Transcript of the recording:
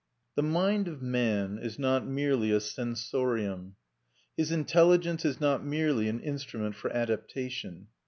The mind of man is not merely a sensorium. His intelligence is not merely an instrument for adaptation.